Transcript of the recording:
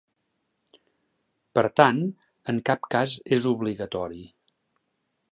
Per tant, en cap cas és obligatori.